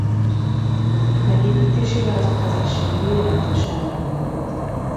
Megépítésével az utazási idő jelentősen lerövidült.